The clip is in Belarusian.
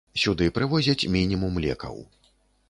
Сюды прывозяць мінімум лекаў.